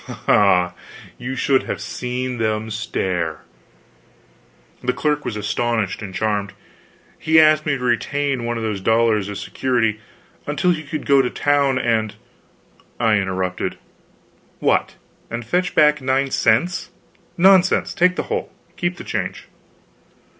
Ah, you should have seen them stare! The clerk was astonished and charmed. He asked me to retain one of the dollars as security, until he could go to town and I interrupted: "What, and fetch back nine cents? Nonsense! Take the whole. Keep the change."